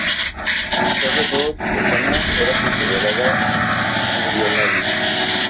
A pesar de todo, su persona era considerada inviolable.